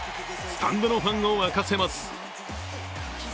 スタンドのファンを沸かせます。